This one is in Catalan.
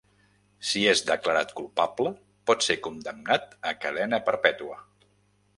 Si és declarat culpable, pot ser condemnat a cadena perpètua.